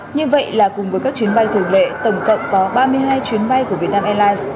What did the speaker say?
như vậy là cùng với các chuyến bay thường lệ tổng cộng có ba mươi hai chuyến bay của vietnam airlines